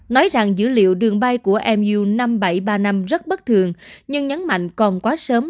nói rằng dữ liệu đường bay của mo năm nghìn bảy trăm ba mươi năm rất bất thường nhưng nhấn mạnh còn quá sớm